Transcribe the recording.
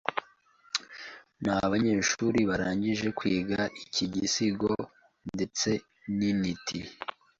nabanyeshuri barangije kwiga iki gisigo ndetse nintiti